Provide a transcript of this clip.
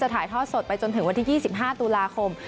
ถ่ายทอดสดไปจนถึงวันที่๒๕ตุลาคม